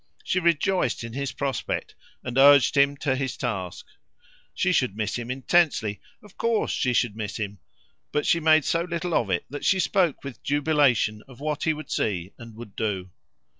She rejoiced in his prospect and urged him to his task; she should miss him too dreadfully of course she should miss him; but she made so little of it that she spoke with jubilation of what he would see and would do.